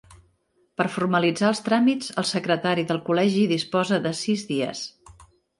Per formalitzar els tràmits, el secretari del Col·legi disposa de sis dies.